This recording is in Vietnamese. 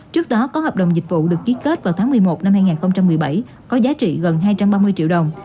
trước đó có hợp đồng dịch vụ được ký kết vào tháng một mươi một năm hai nghìn một mươi bảy có giá trị gần hai trăm ba mươi triệu đồng